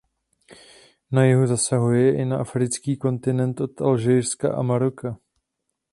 Na jihu zasahuje i na africký kontinent do Alžírska a Maroka.